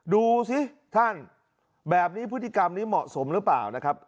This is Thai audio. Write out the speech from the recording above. ดูสิท่านแบบนี้พฤติกรรมนี้เหมาะสมหรือเปล่านะครับ